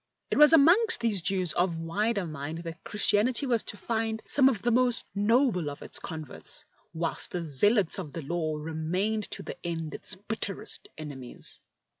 It w^as amongst tliese Jews of wider mind that Christianity was to find some of the most noble of its converts, whilst the " zealots of the Law " remained to the end its bitterest enemies.